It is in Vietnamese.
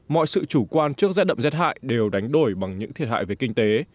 mọi sự chủ quan trước rét đậm rét hại đều đánh đổi bằng những thiệt hại về kinh tế